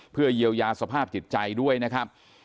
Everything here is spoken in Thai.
เพื่อเยียวยาสภาพจิตใจด้วยนะครับ